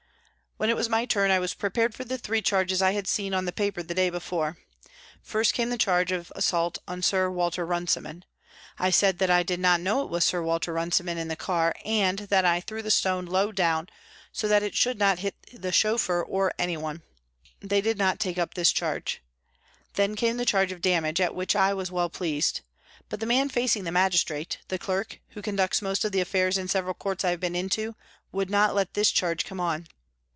When it was my turn, I was prepared for the three charges I had seen on the paper the day before. First came the charge of assault on Sir Walter Runciman. I said that I did not know it was Sir Walter Runciman in the car, and that I threw the stone low down, so that it should not hit the chauffeur or anyone. They did not take up this charge. Then came the charge of damage, at which I was well pleased. But the man facing the magistrate, the clerk, who conducts most of the affairs in several courts I have been into, would not let this charge come on.